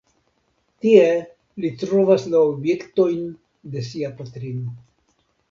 Tie li trovas la objektojn de sia patrino.